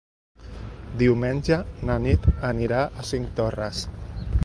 Diumenge na Nit anirà a Cinctorres.